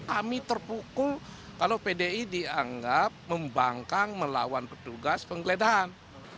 kami terpukul kalau pdi dianggap membangkang melawan petugas penggeledahan